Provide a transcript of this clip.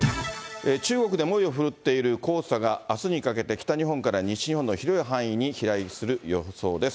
中国で猛威を振るっている黄砂があすにかけて北日本から西日本の広い範囲に飛来する予想です。